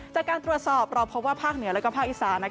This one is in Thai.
จากการตรวจสอบเราพบว่าภาคเหนือและภาคอีสาน